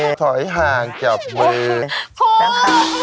ครูพี่กราวเองนะกราวเอง